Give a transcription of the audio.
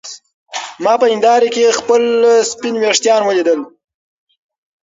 ما په هېنداره کې خپل سپین ويښتان ولیدل.